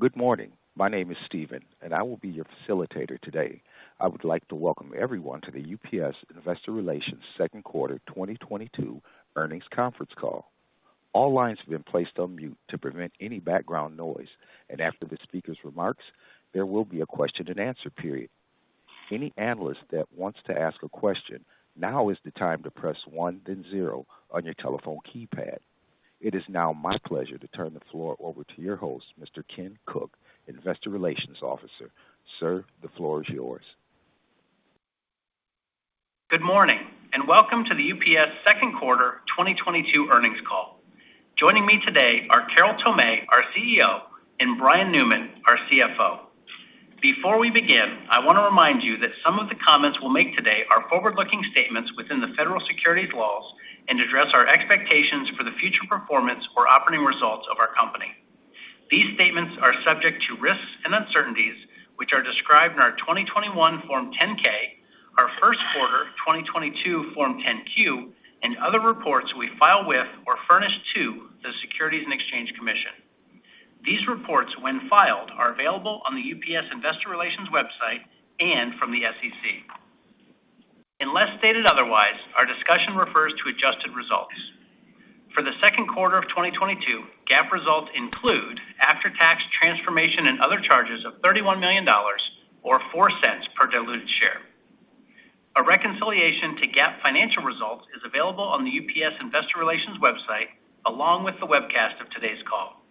Good morning. My name is Steven, and I will be your facilitator today. I would like to welcome everyone to the UPS Investor Relations second quarter 2022 earnings conference call. All lines have been placed on mute to prevent any background noise. After the speaker's remarks, there will be a question-and-answer period. Any analyst that wants to ask a question, now is the time to press 1 then 0 on your telephone keypad. It is now my pleasure to turn the floor over to your host, Mr. Ken Cook, Investor Relations Officer. Sir, the floor is yours. Good morning, and welcome to the UPS second quarter 2022 earnings call. Joining me today are Carol Tomé, our CEO, and Brian Newman, our CFO. Before we begin, I want to remind you that some of the comments we'll make today are forward-looking statements within the federal securities laws and address our expectations for the future performance or operating results of our company. These statements are subject to risks and uncertainties, which are described in our 2021 Form 10-K, our first quarter 2022 Form 10-Q, and other reports we file with or furnish to the Securities and Exchange Commission. These reports, when filed, are available on the UPS Investor Relations website and from the SEC. Unless stated otherwise, our discussion refers to adjusted results. For the second quarter of 2022, GAAP results include after-tax transformation and other charges of $31 million or $0.04 per diluted share. A reconciliation to GAAP financial results is available on the UPS Investor Relations website, along with the webcast of today's call.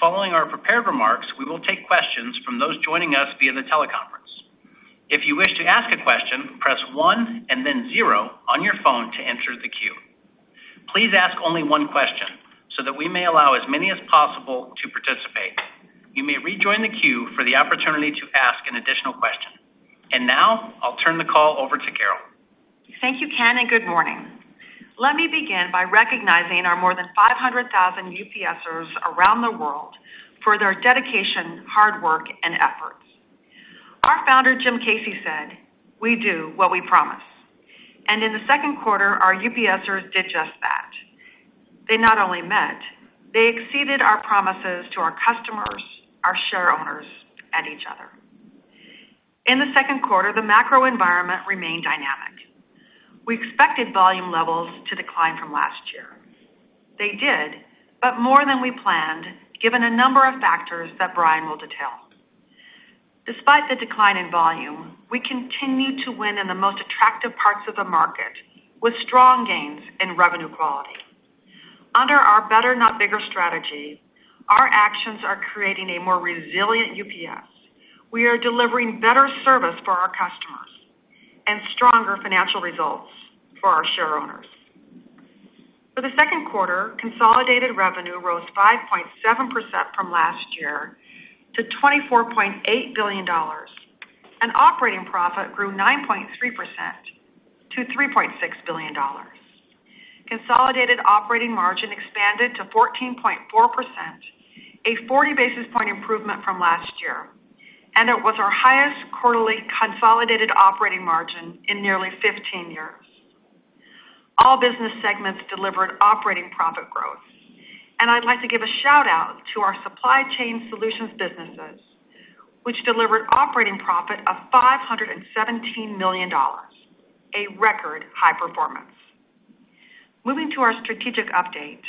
Following our prepared remarks, we will take questions from those joining us via the teleconference. If you wish to ask a question, press one and then zero on your phone to enter the queue. Please ask only one question so that we may allow as many as possible to participate. You may rejoin the queue for the opportunity to ask an additional question. Now I'll turn the call over to Carol. Thank you, Ken, and good morning. Let me begin by recognizing our more than 500,000 UPSers around the world for their dedication, hard work, and efforts. Our founder, Jim Casey, said, "We do what we promise." In the second quarter, our UPSers did just that. They not only met, they exceeded our promises to our customers, our share owners, and each other. In the second quarter, the macro environment remained dynamic. We expected volume levels to decline from last year. They did, but more than we planned, given a number of factors that Brian will detail. Despite the decline in volume, we continued to win in the most attractive parts of the market with strong gains in revenue quality. Under our better, not bigger strategy, our actions are creating a more resilient UPS. We are delivering better service for our customers and stronger financial results for our share owners. For the second quarter, consolidated revenue rose 5.7% from last year to $24.8 billion, and operating profit grew 9.3% to $3.6 billion. Consolidated operating margin expanded to 14.4%, a 40 basis point improvement from last year, and it was our highest quarterly consolidated operating margin in nearly 15 years. All business segments delivered operating profit growth. I'd like to give a shout-out to our Supply Chain Solutions businesses, which delivered operating profit of $517 million, a record high performance. Moving to our strategic update,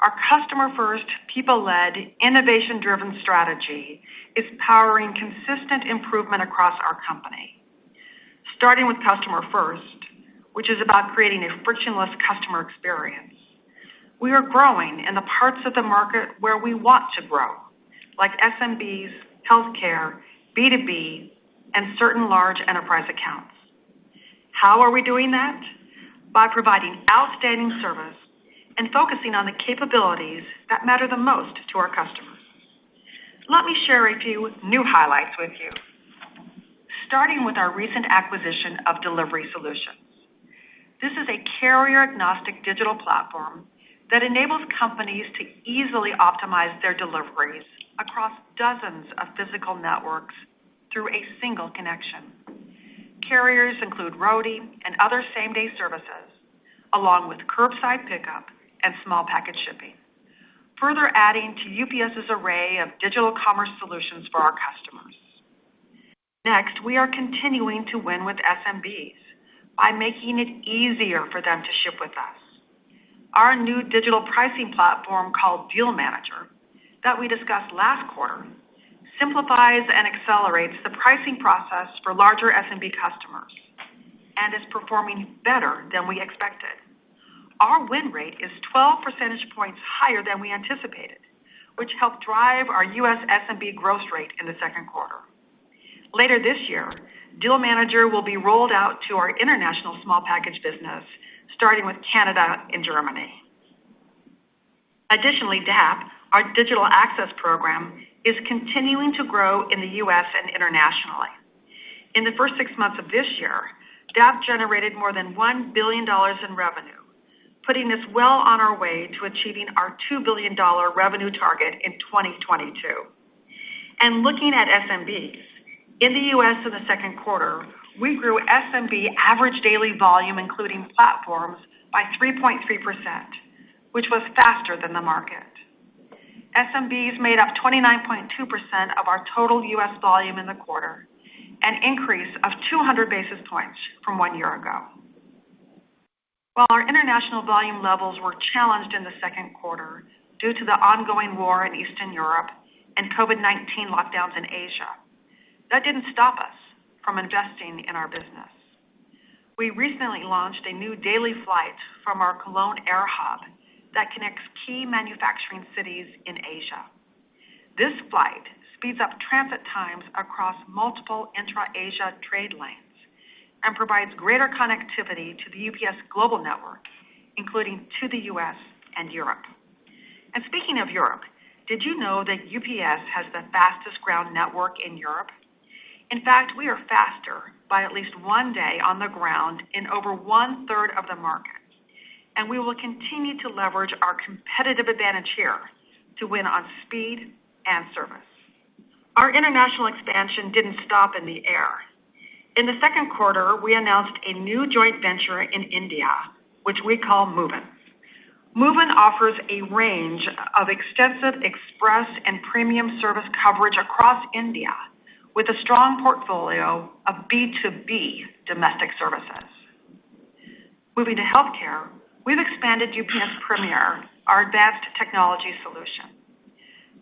our customer-first, people-led, innovation-driven strategy is powering consistent improvement across our company. Starting with customer first, which is about creating a frictionless customer experience. We are growing in the parts of the market where we want to grow, like SMBs, healthcare, B2B, and certain large enterprise accounts. How are we doing that? By providing outstanding service and focusing on the capabilities that matter the most to our customers. Let me share a few new highlights with you, starting with our recent acquisition of Delivery Solutions. This is a carrier-agnostic digital platform that enables companies to easily optimize their deliveries across dozens of physical networks through a single connection. Carriers include Roadie and other same-day services, along with curbside pickup and small package shipping, further adding to UPS's array of digital commerce solutions for our customers. Next, we are continuing to win with SMBs by making it easier for them to ship with us. Our new digital pricing platform called Deal Manager that we discussed last quarter simplifies and accelerates the pricing process for larger SMB customers and is performing better than we expected. Our win rate is 12 percentage points higher than we anticipated, which helped drive our U.S. SMB growth rate in the second quarter. Later this year, Deal Manager will be rolled out to our international small package business, starting with Canada and Germany. Additionally, DAP, our digital access program, is continuing to grow in the U.S. and internationally. In the first six months of this year, DAP generated more than $1 billion in revenue, putting us well on our way to achieving our $2 billion revenue target in 2022. Looking at SMBs. In the U.S. in the second quarter, we grew SMB average daily volume, including platforms, by 3.3%, which was faster than the market. SMBs made up 29.2% of our total U.S. volume in the quarter, an increase of 200 basis points from one year ago. While our international volume levels were challenged in the second quarter due to the ongoing war in Eastern Europe and COVID-19 lockdowns in Asia, that didn't stop us from investing in our business. We recently launched a new daily flight from our Cologne air hub that connects key manufacturing cities in Asia. This flight speeds up transit times across multiple intra-Asia trade lanes and provides greater connectivity to the UPS global network, including to the U.S. and Europe. Speaking of Europe, did you know that UPS has the fastest ground network in Europe? In fact, we are faster by at least one day on the ground in over 1/3 of the market, and we will continue to leverage our competitive advantage here to win on speed and service. Our international expansion didn't stop in the air. In the second quarter, we announced a new joint venture in India, which we call MOVIN. MOVIN offers a range of extensive express and premium service coverage across India with a strong portfolio of B2B domestic services. Moving to healthcare, we've expanded UPS Premier, our advanced technology solution.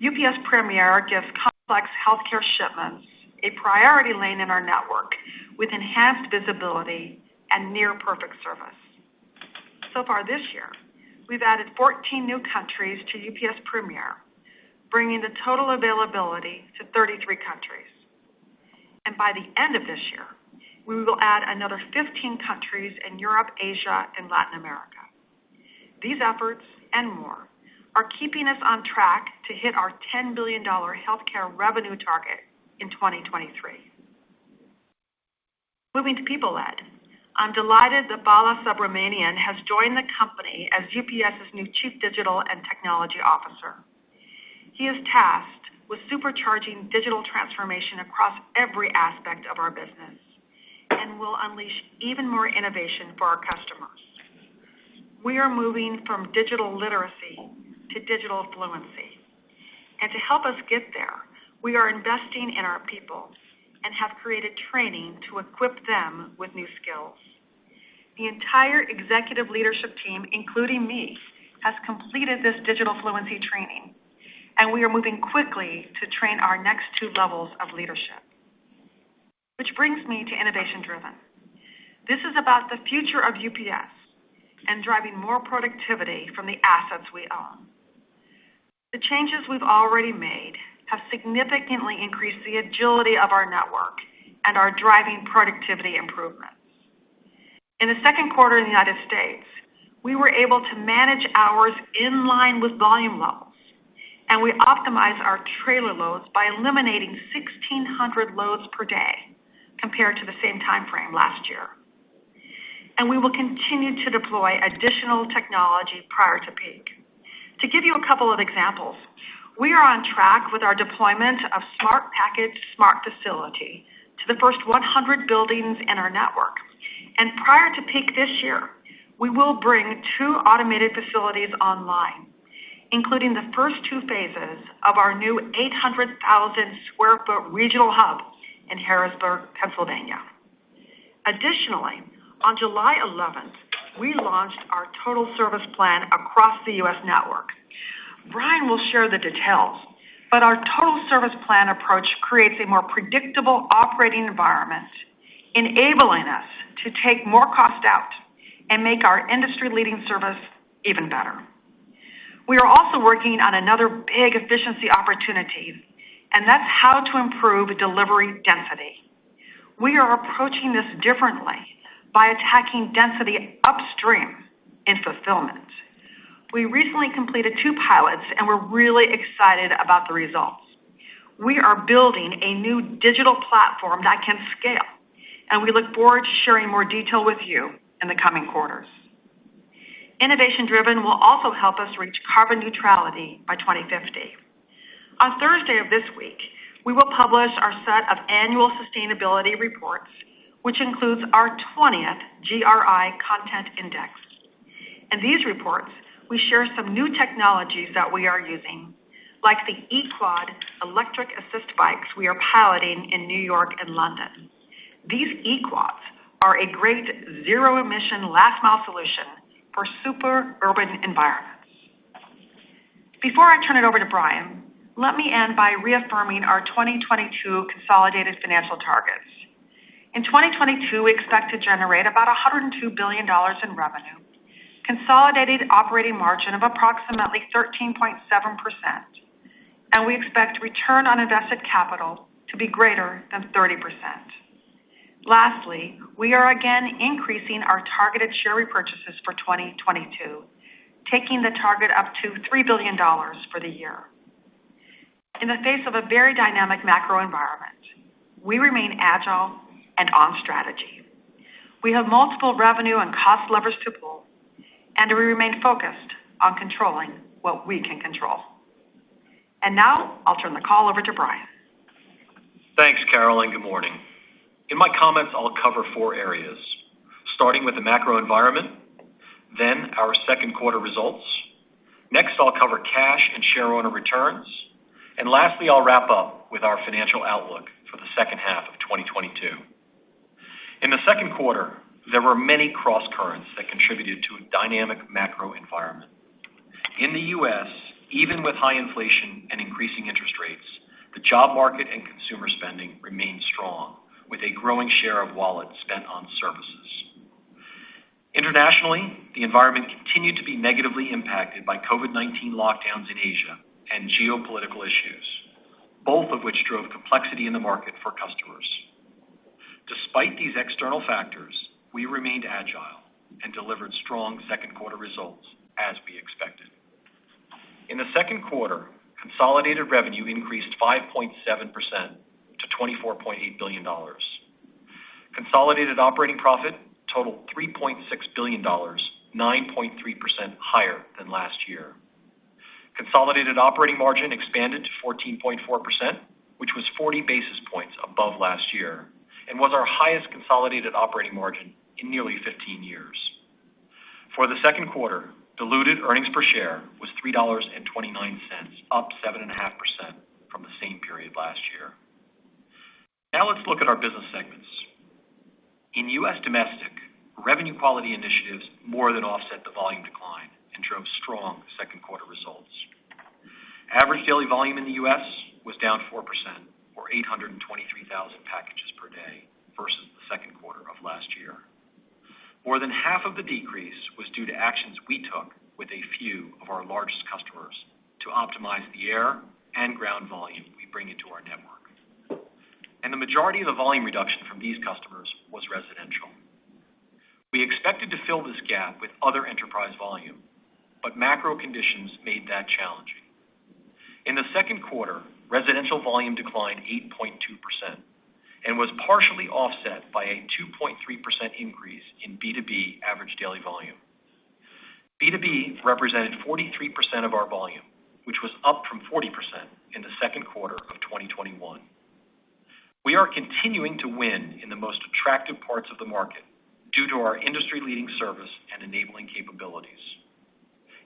UPS Premier gives complex healthcare shipments a priority lane in our network with enhanced visibility and near-perfect service. So far this year, we've added 14 new countries to UPS Premier, bringing the total availability to 33 countries. By the end of this year, we will add another 15 countries in Europe, Asia, and Latin America. These efforts and more are keeping us on track to hit our $10 billion healthcare revenue target in 2023. Moving to people-led. I'm delighted that Bala Subramanian has joined the company as UPS's new Chief Digital and Technology Officer. He is tasked with supercharging digital transformation across every aspect of our business and will unleash even more innovation for our customers. We are moving from digital literacy to digital fluency. To help us get there, we are investing in our people and have created training to equip them with new skills. The entire executive leadership team, including me, has completed this digital fluency training, and we are moving quickly to train our next two levels of leadership. Which brings me to innovation-driven. This is about the future of UPS and driving more productivity from the assets we own. The changes we've already made have significantly increased the agility of our network and are driving productivity improvements. In the second quarter in the United States, we were able to manage hours in line with volume levels, and we optimized our trailer loads by eliminating 1,600 loads per day compared to the same time frame last year. We will continue to deploy additional technology prior to peak. To give you a couple of examples, we are on track with our deployment of Smart Package Smart Facility to the first 100 buildings in our network. Prior to peak this year, we will bring 2 automated facilities online, including the first 2 phases of our new 800,000 sq ft regional hub in Harrisburg, Pennsylvania. Additionally, on July eleventh, we launched our Total Service Plan across the U.S. network. Brian will share the details, but our total service plan approach creates a more predictable operating environment, enabling us to take more cost out and make our industry-leading service even better. We are also working on another big efficiency opportunity, and that's how to improve delivery density. We are approaching this differently by attacking density upstream in fulfillment. We recently completed two pilots, and we're really excited about the results. We are building a new digital platform that can scale, and we look forward to sharing more detail with you in the coming quarters. Innovation driven will also help us reach carbon neutrality by 2050. On Thursday of this week, we will publish our set of annual sustainability reports, which includes our twentieth GRI content index. In these reports, we share some new technologies that we are using, like the eQuad electric assist bikes we are piloting in New York and London. These eQuads are a great zero-emission last mile solution for super urban environments. Before I turn it over to Brian, let me end by reaffirming our 2022 consolidated financial targets. In 2022, we expect to generate about $102 billion in revenue, consolidated operating margin of approximately 13.7%, and we expect return on invested capital to be greater than 30%. Lastly, we are again increasing our targeted share repurchases for 2022, taking the target up to $3 billion for the year. In the face of a very dynamic macro environment, we remain agile and on strategy. We have multiple revenue and cost levers to pull. We remain focused on controlling what we can control. Now I'll turn the call over to Brian. Thanks, Carol. Good morning. In my comments, I'll cover four areas, starting with the macro environment, then our second quarter results. Next, I'll cover cash and share owner returns. Lastly, I'll wrap up with our financial outlook for the second half of 2022. In the second quarter, there were many crosscurrents that contributed to a dynamic macro environment. In the U.S., even with high inflation and increasing interest rates, the job market and consumer spending remain strong, with a growing share of wallet spent on services. Internationally, the environment continued to be negatively impacted by COVID-19 lockdowns in Asia and geopolitical issues, both of which drove complexity in the market for customers. Despite these external factors, we remained agile and delivered strong second-quarter results as we expected. In the second quarter, consolidated revenue increased 5.7% to $24.8 billion. Consolidated operating profit totaled $3.6 billion, 9.3% higher than last year. Consolidated operating margin expanded to 14.4%, which was 40 basis points above last year and was our highest consolidated operating margin in nearly 15 years. For the second quarter, diluted earnings per share was $3.29, up 7.5% from the same period last year. Now let's look at our business segments. In U.S. Domestic, revenue quality initiatives more than offset the volume decline and drove strong second-quarter results. Average daily volume in the U.S. was down 4% or 823,000 packages per day versus the second quarter of last year. More than half of the decrease was due to actions we took with a few of our largest customers to optimize the air and ground volume we bring into our network. The majority of the volume reduction from these customers was residential. We expected to fill this gap with other enterprise volume, but macro conditions made that challenging. In the second quarter, residential volume declined 8.2% and was partially offset by a 2.3% increase in B2B average daily volume. B2B represented 43% of our volume, which was up from 40% in the second quarter of 2021. We are continuing to win in the most attractive parts of the market due to our industry-leading service and enabling capabilities.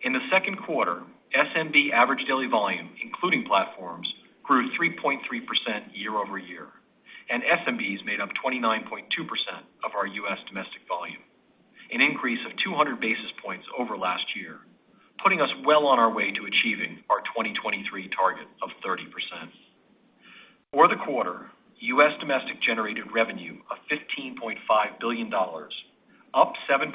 In the second quarter, SMB average daily volume, including platforms, grew 3.3% year-over-year, and SMBs made up 29.2% of our U.S. Domestic volume, an increase of 200 basis points over last year, putting us well on our way to achieving our 2023 target of 30%. For the quarter, U.S. Domestic generated revenue of $15.5 billion, up 7.3%.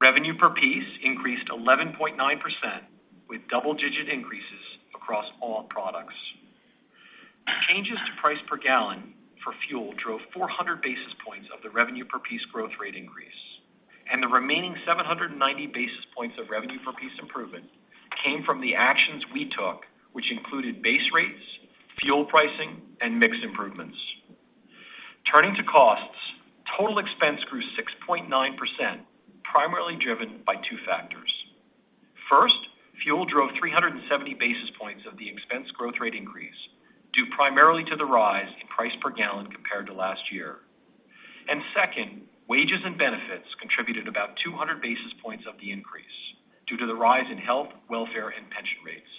Revenue per piece increased 11.9% with double-digit increases across all products. Changes to price per gallon for fuel drove 400 basis points of the revenue per piece growth rate increase. The remaining 790 basis points of revenue per piece improvement came from the actions we took, which included base rates, fuel pricing, and mix improvements. Turning to costs, total expense grew 6.9%, primarily driven by two factors. First, fuel drove 370 basis points of the expense growth rate increase, due primarily to the rise in price per gallon compared to last year. Second, wages and benefits contributed about 200 basis points of the increase due to the rise in health, welfare, and pension rates.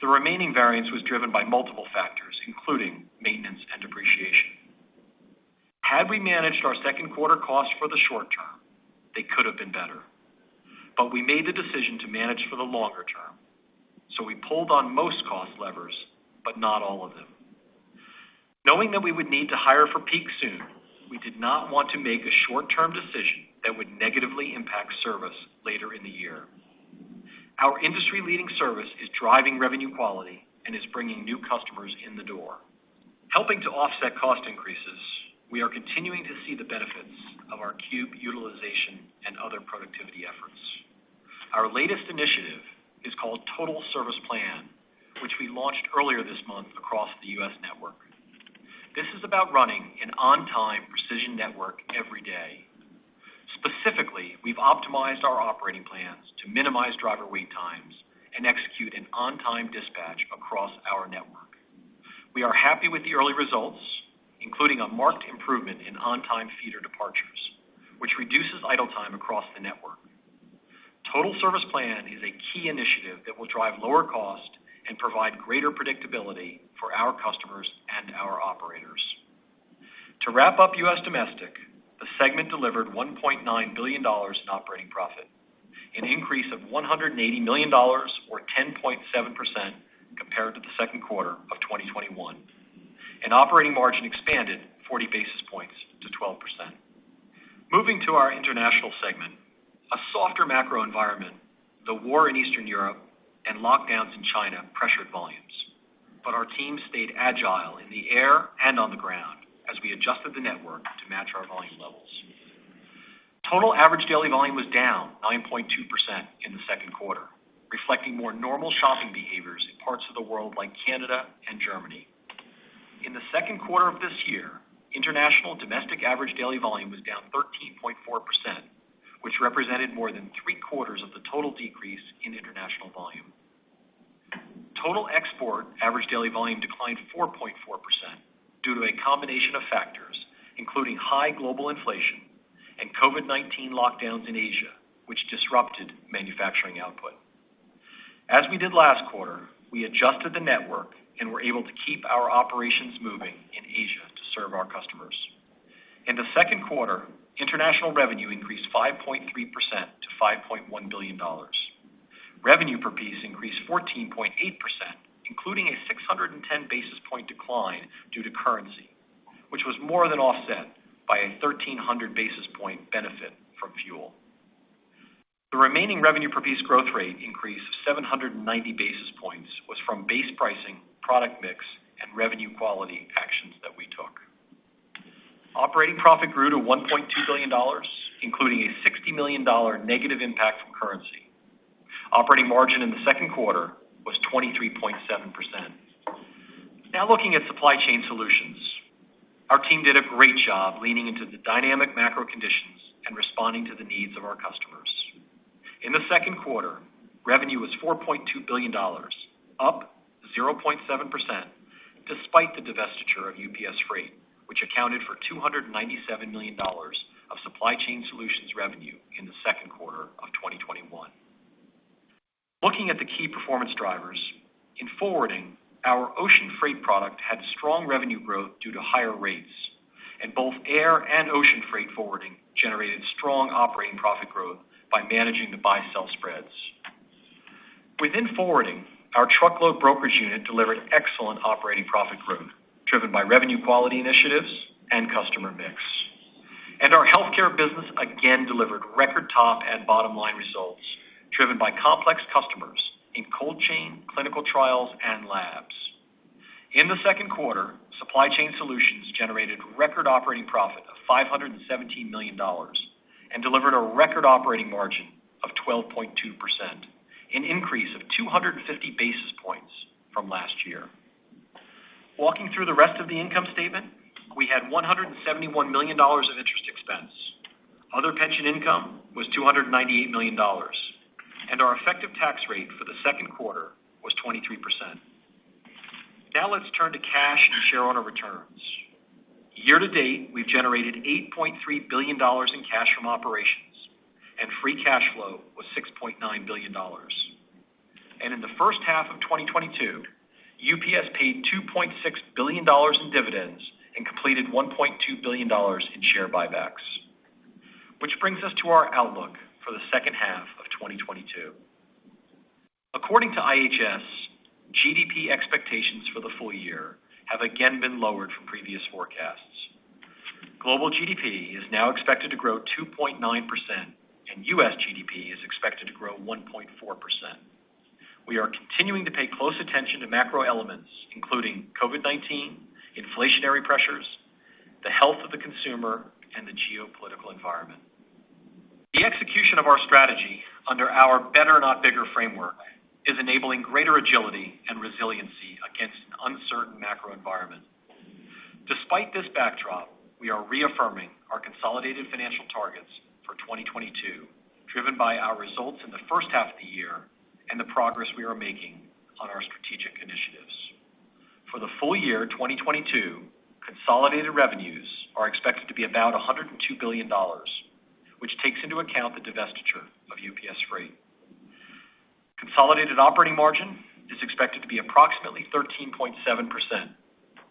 The remaining variance was driven by multiple factors, including maintenance and depreciation. Had we managed our second quarter cost for the short term, they could have been better. We made the decision to manage for the longer term, so we pulled on most cost levers, but not all of them. Knowing that we would need to hire for peak soon, we did not want to make a short-term decision that would negatively impact service later in the year. Our industry-leading service is driving revenue quality and is bringing new customers in the door. Helping to offset cost increases, we are continuing to see the benefits of our cube utilization and other productivity efforts. Our latest initiative is called Total Service Plan, which we launched earlier this month across the U.S. network. This is about running an on-time precision network every day. Specifically, we've optimized our operating plans to minimize driver wait times and execute an on-time dispatch across our network. We are happy with the early results, including a marked improvement in on-time feeder departures, which reduces idle time across the network. Total Service Plan is a key initiative that will drive lower cost and provide greater predictability for our customers and our operators. To wrap up U.S. Domestic, the segment delivered $1.9 billion in operating profit, an increase of $180 million or 10.7% compared to the second quarter of 2021, and operating margin expanded 40 basis points to 12%. Moving to our International segment, a softer macro environment, the war in Eastern Europe, and lockdowns in China pressured volumes. Our team stayed agile in the air and on the ground as we adjusted the network to match our volume levels. Total average daily volume was down 9.2% in the second quarter, reflecting more normal shopping behaviors in parts of the world like Canada and Germany. Second quarter of this year, international domestic average daily volume was down 13.4%, which represented more than three-quarters of the total decrease in international volume. Total export average daily volume declined 4.4% due to a combination of factors, including high global inflation and COVID-19 lockdowns in Asia, which disrupted manufacturing output. As we did last quarter, we adjusted the network and were able to keep our operations moving in Asia to serve our customers. In the second quarter, international revenue increased 5.3% to $5.1 billion. Revenue per piece increased 14.8%, including a 610 basis point decline due to currency, which was more than offset by a 1,300 basis point benefit from fuel. The remaining revenue per piece growth rate increase of 790 basis points was from base pricing, product mix, and revenue quality actions that we took. Operating profit grew to $1.2 billion, including a $60 million negative impact from currency. Operating margin in the second quarter was 23.7%. Now looking at Supply Chain Solutions. Our team did a great job leaning into the dynamic macro conditions and responding to the needs of our customers. In the second quarter, revenue was $4.2 billion, up 0.7% despite the divestiture of UPS Freight, which accounted for $297 million of Supply Chain Solutions revenue in the second quarter of 2021. Looking at the key performance drivers, in forwarding, our ocean freight product had strong revenue growth due to higher rates, and both air and ocean freight forwarding generated strong operating profit growth by managing the buy-sell spreads. Within forwarding, our truckload brokerage unit delivered excellent operating profit growth, driven by revenue quality initiatives and customer mix. Our healthcare business again delivered record top and bottom-line results driven by complex customers in cold chain, clinical trials, and labs. In the second quarter, Supply Chain Solutions generated record operating profit of $517 million and delivered a record operating margin of 12.2%, an increase of 250 basis points from last year. Walking through the rest of the income statement, we had $171 million of interest expense. Other pension income was $298 million, and our effective tax rate for the second quarter was 23%. Now let's turn to cash and share owner returns. Year to date, we've generated $8.3 billion in cash from operations, and free cash flow was $6.9 billion. In the first half of 2022, UPS paid $2.6 billion in dividends and completed $1.2 billion in share buybacks. Which brings us to our outlook for the second half of 2022. According to IHS, GDP expectations for the full year have again been lowered from previous forecasts. Global GDP is now expected to grow 2.9%, and U.S. GDP is expected to grow 1.4%. We are continuing to pay close attention to macro elements, including COVID-19, inflationary pressures, the health of the consumer, and the geopolitical environment. The execution of our strategy under our better, not bigger framework is enabling greater agility and resiliency against an uncertain macro environment. Despite this backdrop, we are reaffirming our consolidated financial targets for 2022, driven by our results in the first half of the year and the progress we are making on our strategic initiatives. For the full year 2022, consolidated revenues are expected to be about $102 billion, which takes into account the divestiture of UPS Freight. Consolidated operating margin is expected to be approximately 13.7%,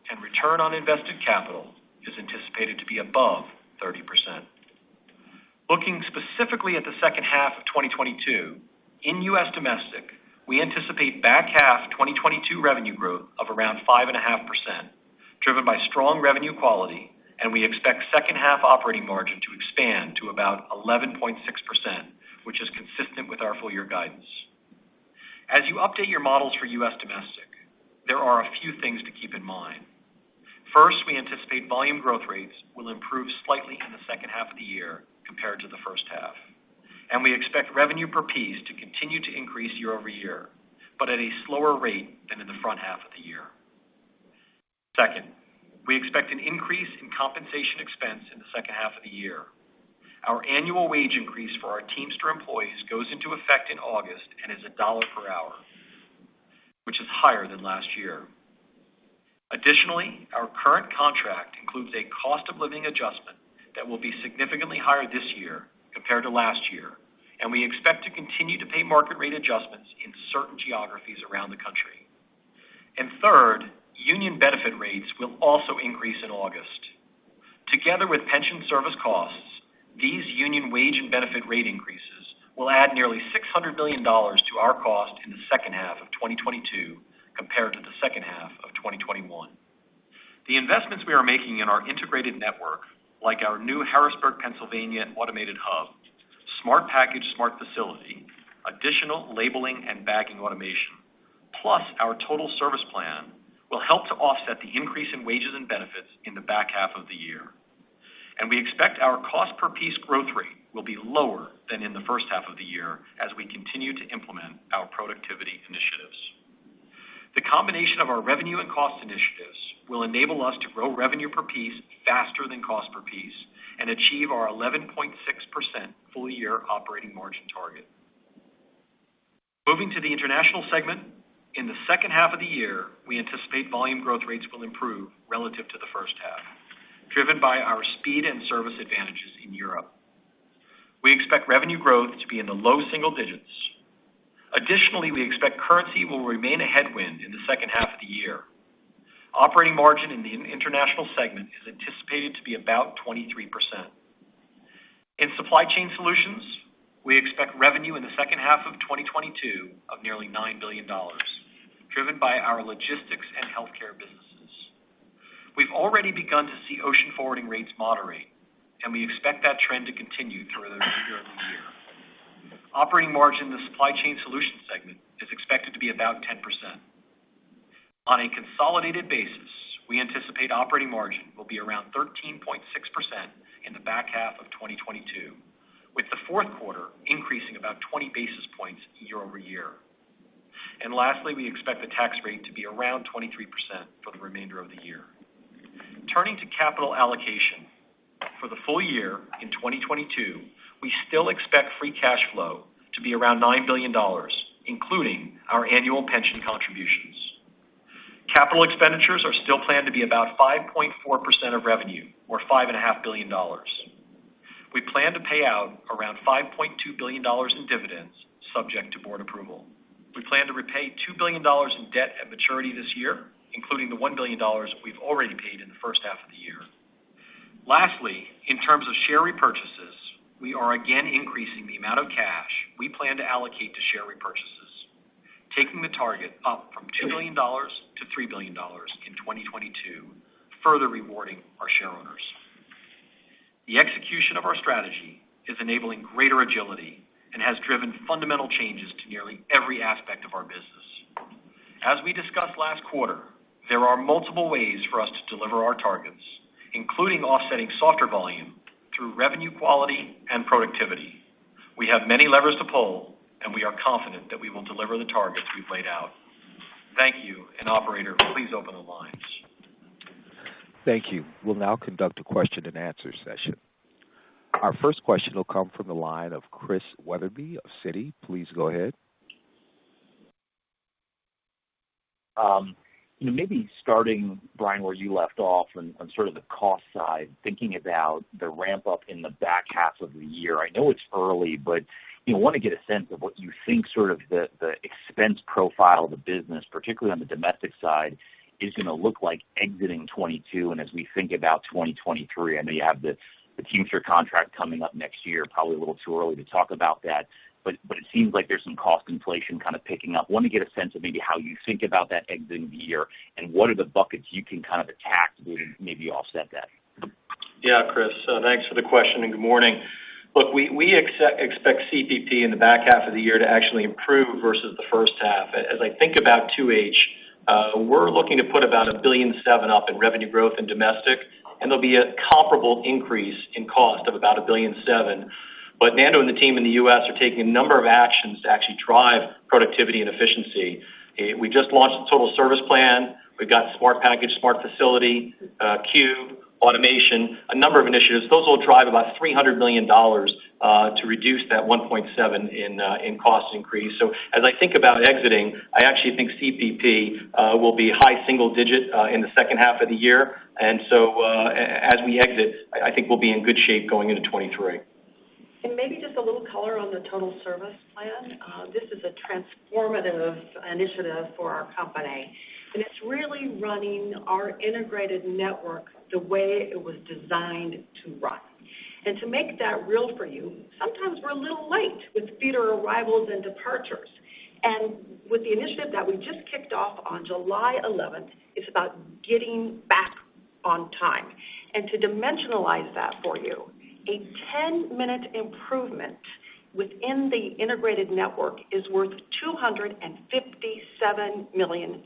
and return on invested capital is anticipated to be above 30%. Looking specifically at the second half of 2022, in U.S. Domestic, we anticipate back half 2022 revenue growth of around 5.5%, driven by strong revenue quality, and we expect second half operating margin to expand to about 11.6%, which is consistent with our full year guidance. As you update your models for U.S. Domestic, there are a few things to keep in mind. First, we anticipate volume growth rates will improve slightly in the second half of the year compared to the first half, and we expect revenue per piece to continue to increase year-over-year, but at a slower rate than in the front half of the year. Second, we expect an increase in compensation expense in the second half of the year. Our annual wage increase for our Teamster employees goes into effect in August and is $1 per hour, which is higher than last year. Additionally, our current contract includes a cost of living adjustment that will be significantly higher this year compared to last year, and we expect to continue to pay market rate adjustments in certain geographies around the country. Third, union benefit rates will also increase in August. Together with pension service costs, these union wage and benefit rate increases will add nearly $600 million to our cost in the second half of 2022 compared to the second half of 2021. The investments we are making in our integrated network, like our new Harrisburg, Pennsylvania automated hub, Smart Package Smart Facility, additional labeling and bagging automation, plus our Total Service Plan will help to offset the increase in wages and benefits in the back half of the year. We expect our cost per piece growth rate will be lower than in the first half of the year as we continue to implement our productivity initiatives. The combination of our revenue and cost initiatives will enable us to grow revenue per piece faster than cost per piece and achieve our 11.6% full year operating margin target. Moving to the international segment. In the second half of the year, we anticipate volume growth rates will improve relative to the first half, driven by our speed and service advantages in Europe. We expect revenue growth to be in the low single digits. Additionally, we expect currency will remain a headwind in the second half of the year. Operating margin in the international segment is anticipated to be about 23%. In supply chain solutions, we expect revenue in the second half of 2022 of nearly $9 billion, driven by our logistics and healthcare businesses. We've already begun to see ocean forwarding rates moderate, and we expect that trend to continue through the remainder of the year. Operating margin in the Supply Chain Solutions segment is expected to be about 10%. On a consolidated basis, we anticipate operating margin will be around 13.6% in the back half of 2022, with the fourth quarter increasing about 20 basis points year-over-year. Lastly, we expect the tax rate to be around 23% for the remainder of the year. Turning to capital allocation. For the full year in 2022, we still expect free cash flow to be around $9 billion, including our annual pension contributions. Capital expenditures are still planned to be about 5.4% of revenue or $5.5 billion. We plan to pay out around $5.2 billion in dividends subject to board approval. We plan to repay $2 billion in debt at maturity this year, including the $1 billion we've already paid in the first half of the year. Lastly, in terms of share repurchases, we are again increasing the amount of cash we plan to allocate to share repurchases, taking the target up from $2 billion-$3 billion in 2022, further rewarding our shareowners. The execution of our strategy is enabling greater agility and has driven fundamental changes to nearly every aspect of our business. As we discussed last quarter, there are multiple ways for us to deliver our targets, including offsetting softer volume through revenue quality and productivity. We have many levers to pull, and we are confident that we will deliver the targets we've laid out. Thank you. Operator, please open the lines. Thank you. We'll now conduct a question and answer session. Our first question will come from the line of Christian Wetherbee of Citi. Please go ahead. You know, maybe starting, Brian, where you left off on sort of the cost side, thinking about the ramp up in the back half of the year. I know it's early, but you know, want to get a sense of what you think sort of the expense profile of the business, particularly on the domestic side, is gonna look like exiting 2022. As we think about 2023, I know you have the Teamsters contract coming up next year, probably a little too early to talk about that, but it seems like there's some cost inflation kind of picking up. Want to get a sense of maybe how you think about that exiting the year, and what are the buckets you can kind of attack to maybe offset that? Yeah, Chris, thanks for the question and good morning. Look, we expect CPP in the back half of the year to actually improve versus the first half. As I think about 2H, we're looking to put about $1.7 billion up in revenue growth in domestic, and there'll be a comparable increase in cost of about $1.7 billion. But Nando and the team in the U.S. are taking a number of actions to actually drive productivity and efficiency. We just launched the Total Service Plan. We've got Smart Package, Smart Facility, cube automation, a number of initiatives. Those will drive about $300 million to reduce that 1.7 in cost increase. As I think about exiting, I actually think CPP will be high single digit in the second half of the year. As we exit, I think we'll be in good shape going into 2023. Maybe just a little color on the Total Service Plan. This is a transformative initiative for our company, and it's really running our integrated network the way it was designed to run. To make that real for you, sometimes we're a little late with feeder arrivals and departures. With the initiative that we just kicked off on July 11, it's about getting back on time. To dimensionalize that for you, a 10-minute improvement within the integrated network is worth $257 million.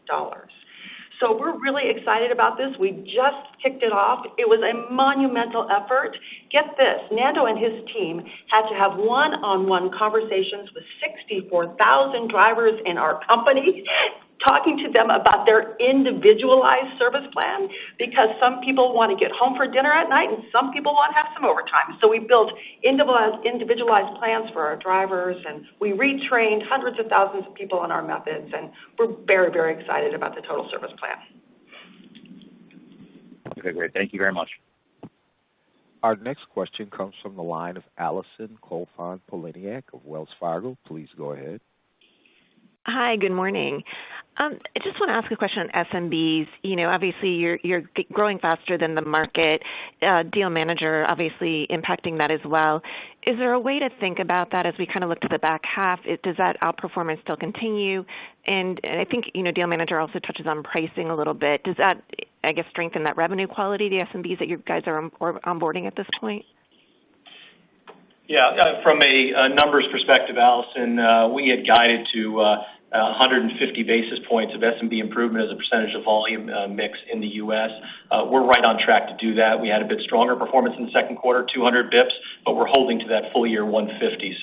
We're really excited about this. We just kicked it off. It was a monumental effort. Get this, Nando and his team had to have one-on-one conversations with 64,000 drivers in our company, talking to them about their individualized service plan because some people wanna get home for dinner at night and some people wanna have some overtime. We built individualized plans for our drivers, and we retrained hundreds of thousands of people on our methods, and we're very, very excited about the Total Service Plan. Okay, great. Thank you very much. Our next question comes from the line of Allison Poliniak-Cusic of Wells Fargo. Please go ahead. Hi, good morning. I just wanna ask a question on SMBs. You know, obviously you're growing faster than the market. Deal Manager obviously impacting that as well. Is there a way to think about that as we kind of look to the back half? Does that outperformance still continue? I think, you know, Deal Manager also touches on pricing a little bit. Does that, I guess, strengthen that revenue quality, the SMBs that you guys are onboarding at this point? Yeah, from a numbers perspective, Allison, we had guided to 150 basis points of SMB improvement as a percentage of volume mix in the U.S. We're right on track to do that. We had a bit stronger performance in the second quarter, 200 basis points, but we're holding to that full year 150.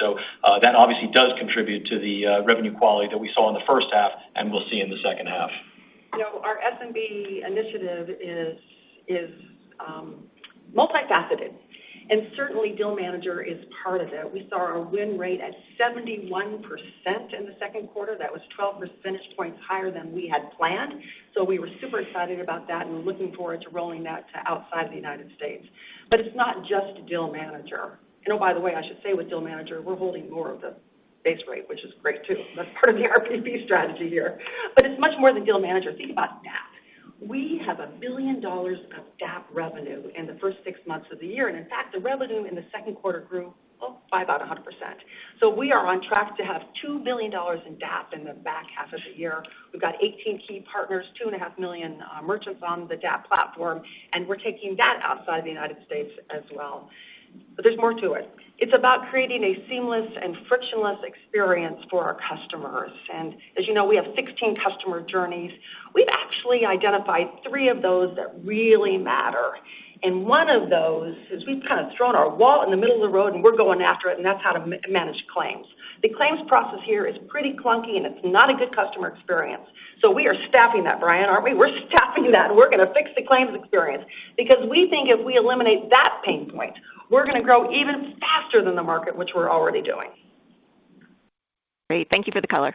That obviously does contribute to the revenue quality that we saw in the first half and we'll see in the second half. You know, our SMB initiative is multifaceted, and certainly Deal Manager is part of it. We saw our win rate at 71% in the second quarter. That was 12 percentage points higher than we had planned. We were super excited about that, and we're looking forward to rolling that to outside the United States. But it's not just Deal Manager. You know, by the way, I should say with Deal Manager, we're holding more of the base rate, which is great too. That's part of the RPP strategy here. But it's much more than Deal Manager. Think about DAP. We have $1 billion of DAP revenue in the first six months of the year. In fact, the revenue in the second quarter grew by about 100%. We are on track to have $2 billion in DAP in the back half of the year. We've got 18 key partners, 2.5 million merchants on the DAP platform, and we're taking that outside the United States as well. There's more to it. It's about creating a seamless and frictionless experience for our customers. As you know, we have 16 customer journeys. We've actually identified 3 of those that really matter. One of those is we've kind of thrown our wall in the middle of the road, and we're going after it, and that's how to manage claims. The claims process here is pretty clunky, and it's not a good customer experience. We are staffing that, Brian, aren't we? We're staffing that, and we're gonna fix the claims experience because we think if we eliminate that pain point, we're gonna grow even faster than the market, which we're already doing. Great. Thank you for the color.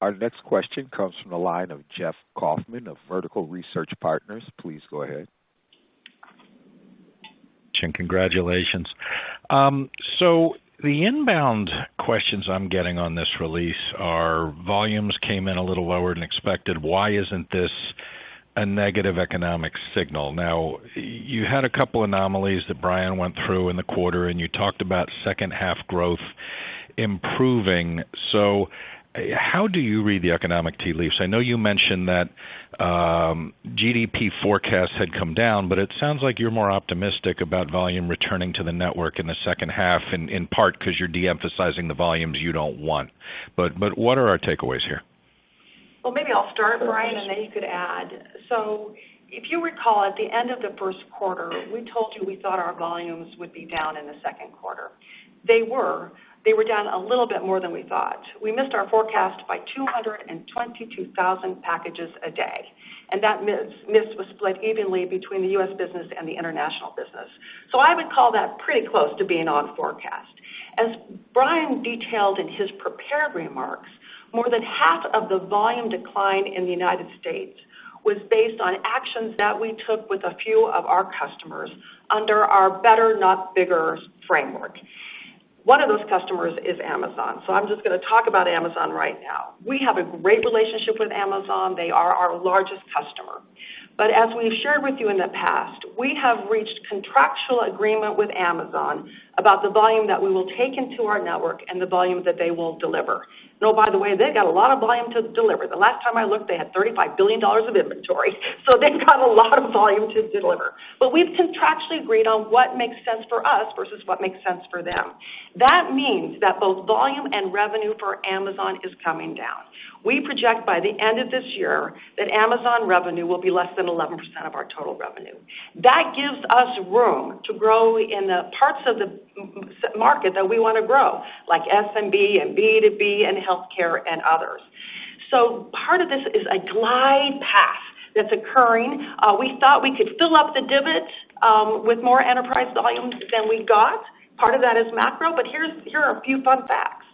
Our next question comes from the line of Jeff Kauffman of Vertical Research Partners. Please go ahead. Congratulations. The inbound questions I'm getting on this release are, volumes came in a little lower than expected. Why isn't this a negative economic signal? Now, you had a couple anomalies that Brian went through in the quarter, and you talked about second half growth improving. How do you read the economic tea leaves? I know you mentioned that, GDP forecasts had come down, but it sounds like you're more optimistic about volume returning to the network in the second half in part because you're de-emphasizing the volumes you don't want. But what are our takeaways here? Well, maybe I'll start, Brian, and then you could add. If you recall, at the end of the first quarter, we told you we thought our volumes would be down in the second quarter. They were. They were down a little bit more than we thought. We missed our forecast by 222,000 packages a day, and that miss was split evenly between the U.S. business and the international business. I would call that pretty close to being on forecast. As Brian detailed in his prepared remarks, more than half of the volume decline in the United States was based on actions that we took with a few of our customers under our better, not bigger framework. One of those customers is Amazon, so I'm just gonna talk about Amazon right now. We have a great relationship with Amazon. They are our largest customer. As we've shared with you in the past, we have reached contractual agreement with Amazon about the volume that we will take into our network and the volume that they will deliver. You know, by the way, they've got a lot of volume to deliver. The last time I looked, they had $35 billion of inventory, so they've got a lot of volume to deliver. We've contractually agreed on what makes sense for us versus what makes sense for them. That means that both volume and revenue for Amazon is coming down. We project by the end of this year that Amazon revenue will be less than 11% of our total revenue. That gives us room to grow in the parts of the market that we wanna grow, like SMB and B2B and healthcare and others. Part of this is a glide path that's occurring. We thought we could fill up the divots with more enterprise volumes than we got. Part of that is macro, but here are a few fun facts.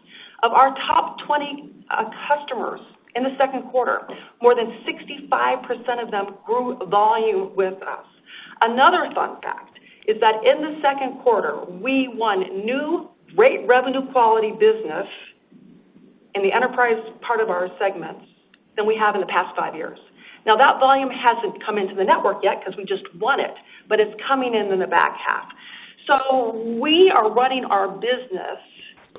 Of our top 20 customers in the second quarter, more than 65% of them grew volume with us. Another fun fact is that in the second quarter, we won new rate revenue quality business in the enterprise part of our segments than we have in the past 5 years. Now, that volume hasn't come into the network yet 'cause we just won it, but it's coming in in the back half. We are running our business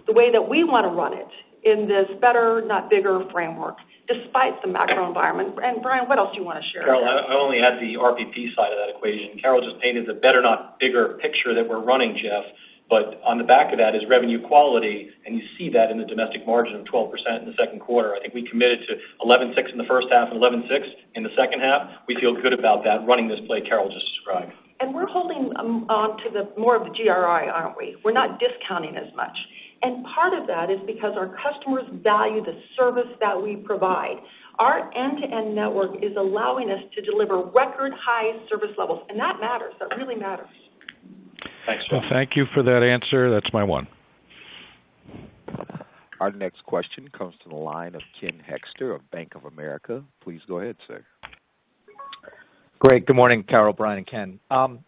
the way that we wanna run it in this better, not bigger framework, despite the macro environment. Brian, what else do you wanna share? Carol, I only add the RPP side of that equation. Carol just painted the better, not bigger picture that we're running, Jeff, but on the back of that is revenue quality, and you see that in the domestic margin of 12% in the second quarter. I think we committed to 11.6% in the first half and 11.6% in the second half. We feel good about that running this play Carol just described. We're holding on to the more of the GRI, aren't we? We're not discounting as much. Part of that is because our customers value the service that we provide. Our end-to-end network is allowing us to deliver record high service levels, and that matters. That really matters. Thanks, Jeff. Well, thank you for that answer. That's my one. Our next question comes to the line of Ken Hoexter of Bank of America. Please go ahead, sir. Great. Good morning, Carol, Brian, and Ken.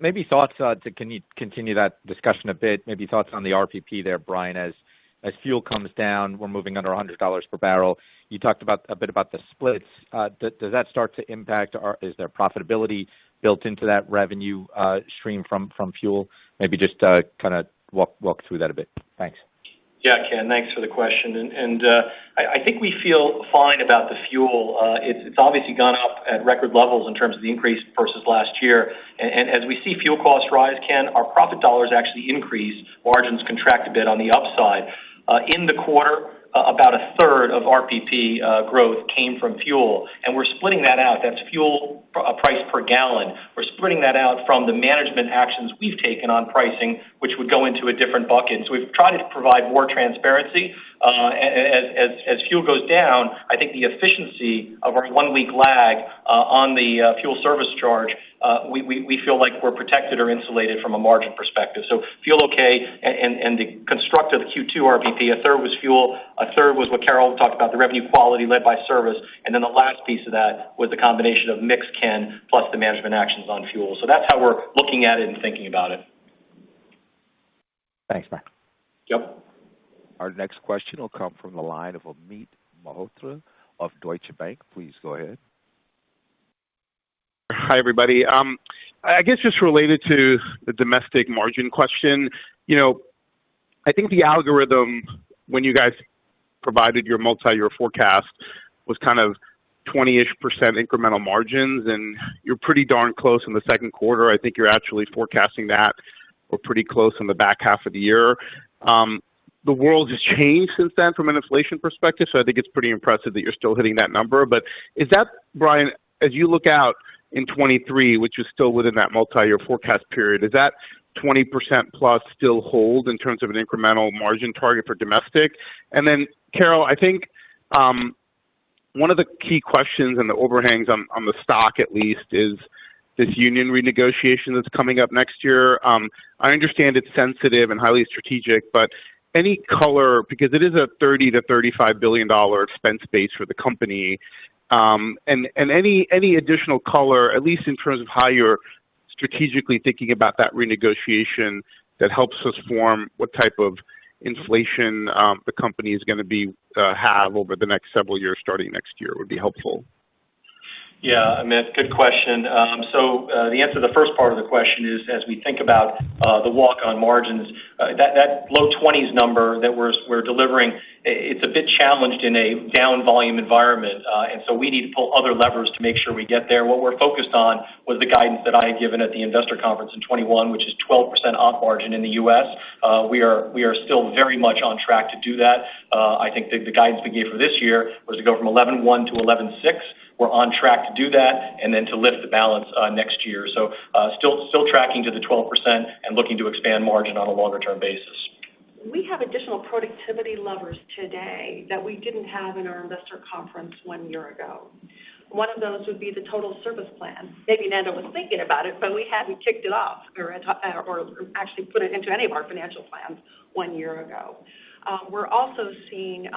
Maybe thoughts, can you continue that discussion a bit? Maybe thoughts on the RPP there, Brian, as fuel comes down, we're moving under $100 per barrel. You talked a bit about the splits. Does that start to impact or is there profitability built into that revenue stream from fuel? Maybe just kinda walk through that a bit. Thanks. Yeah, Ken, thanks for the question. I think we feel fine about the fuel. It's obviously gone up at record levels in terms of the increase versus last year. As we see fuel costs rise, Ken, our profit dollars actually increase, margins contract a bit on the upside. In the quarter, about a third of RPP growth came from fuel. We're splitting that out. That's fuel price per gallon. We're splitting that out from the management actions we've taken on pricing, which would go into a different bucket. We've tried to provide more transparency. As fuel goes down, I think the efficiency of our one-week lag on the fuel service charge, we feel like we're protected or insulated from a margin perspective. Fuel okay, and the construct of Q2 RPP, a third was fuel, a third was what Carol talked about, the revenue quality led by service, and then the last piece of that was the combination of mix, Ken, plus the management actions on fuel. That's how we're looking at it and thinking about it. Thanks, Brian. Yep. Our next question will come from the line of Amit Mehrotra of Deutsche Bank. Please go ahead. Hi, everybody. I guess just related to the domestic margin question. You know, I think the algorithm when you guys provided your multiyear forecast was kind of 20-ish% incremental margins, and you're pretty darn close in the second quarter. I think you're actually forecasting that or pretty close on the back half of the year. The world has changed since then from an inflation perspective, so I think it's pretty impressive that you're still hitting that number. But is that, Brian, as you look out in 2023, which is still within that multiyear forecast period, does that 20% plus still hold in terms of an incremental margin target for domestic? Then, Carol, I think, one of the key questions and the overhangs on the stock at least is this union renegotiation that's coming up next year. I understand it's sensitive and highly strategic, but any color, because it is a $30 billion-$35 billion expense base for the company, and any additional color, at least in terms of how you're strategically thinking about that renegotiation that helps us form what type of inflation the company is gonna have over the next several years starting next year would be helpful. Yeah. Amit, good question. So, the answer to the first part of the question is, as we think about, the walk on margins, that low twenties number that we're delivering, it's a bit challenged in a down volume environment. We need to pull other levers to make sure we get there. What we're focused on was the guidance that I had given at the investor conference in 2021, which is 12% op margin in the U.S. We are still very much on track to do that. I think the guidance we gave for this year was to go from 11.1% to 11.6%. We're on track to do that and then to lift the balance next year. Still tracking to the 12% and looking to expand margin on a longer term basis. We have additional productivity levers today that we didn't have in our investor conference one year ago. One of those would be the Total Service Plan. Maybe Nando was thinking about it, but we hadn't kicked it off or put it into any of our financial plans one year ago. We're also seeing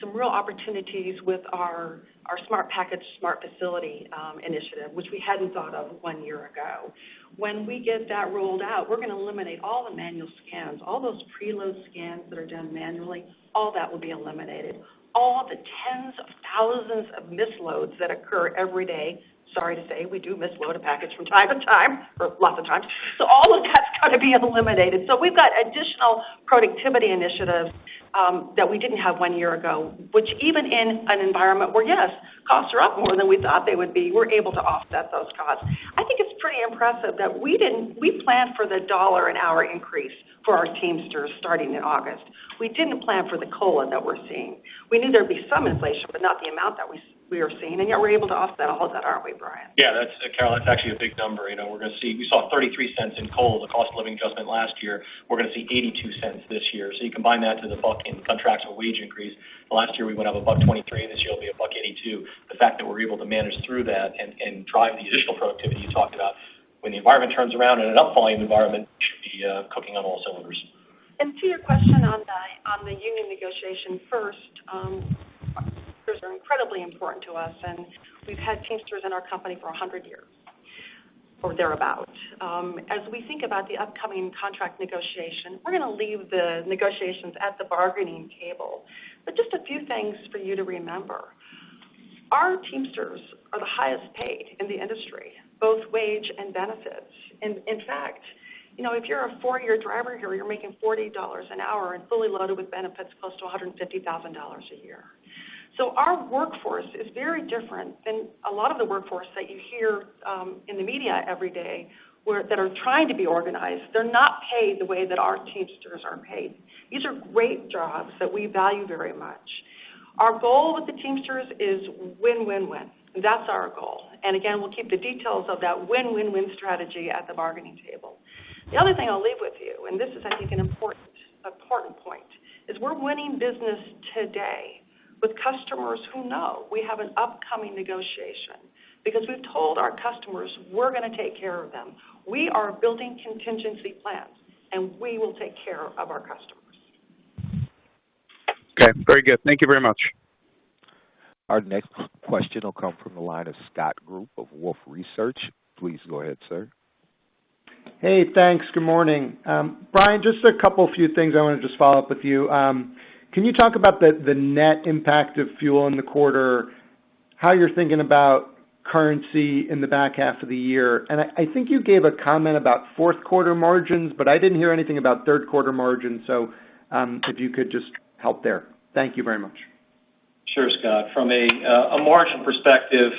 some real opportunities with our Smart Package Smart Facility initiative, which we hadn't thought of one year ago. When we get that rolled out, we're gonna eliminate all the manual scans, all those preload scans that are done manually, all that will be eliminated. All the tens of thousands of misloads that occur every day, sorry to say, we do misload a package from time to time, or lots of times. All of that's gonna be eliminated. We've got additional productivity initiatives that we didn't have one year ago, which even in an environment where, yes, costs are up more than we thought they would be, we're able to offset those costs. I think it's pretty impressive that we planned for the $1 an hour increase for our Teamsters starting in August. We didn't plan for the COLA that we're seeing. We knew there'd be some inflation, but not the amount that we are seeing, and yet we're able to offset all that, aren't we, Brian? Yeah, that's, Carol, that's actually a big number. You know, we're gonna see. We saw $0.33 in COLA, the cost of living adjustment last year. We're gonna see $0.82 this year. You combine that into the bucket and contractual wage increase. Last year, we went up $1.23. This year, it'll be $1.82. The fact that we're able to manage through that and drive the additional productivity you talked about when the environment turns around in an up volume environment should be cooking on all cylinders. To your question on the union negotiation first, are incredibly important to us, and we've had Teamsters in our company for 100 years or thereabout. As we think about the upcoming contract negotiation, we're gonna leave the negotiations at the bargaining table. Just a few things for you to remember. Our Teamsters are the highest paid in the industry, both wage and benefits. In fact, you know, if you're a four-year driver here, you're making $40 an hour and fully loaded with benefits close to $150,000 a year. Our workforce is very different than a lot of the workforce that you hear in the media every day where that are trying to be organized. They're not paid the way that our Teamsters are paid. These are great jobs that we value very much. Our goal with the Teamsters is win, win. That's our goal. Again, we'll keep the details of that win, win strategy at the bargaining table. The other thing I'll leave with you, and this is, I think, an important point, is we're winning business today with customers who know we have an upcoming negotiation because we've told our customers we're gonna take care of them. We are building contingency plans, and we will take care of our customers. Okay. Very good. Thank you very much. Our next question will come from the line of Scott Group of Wolfe Research. Please go ahead, sir. Hey. Thanks. Good morning. Brian, just a couple few things I wanna just follow up with you. Can you talk about the net impact of fuel in the quarter? How you're thinking about currency in the back half of the year? I think you gave a comment about fourth quarter margins, but I didn't hear anything about third quarter margins. If you could just help there. Thank you very much. Sure, Scott. From a margin perspective,